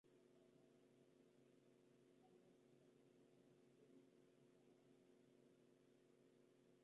Estas aguas están en los horizontes porosos del cuaternario.